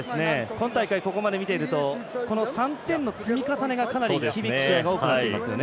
今大会、ここまで見ているとこの３点の積み重ねがかなり大きくなっていますよね。